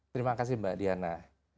terima kasih mbak diana